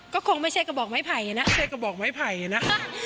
ก็คงไม่ใช่กระบอกไม้ไผ่นะ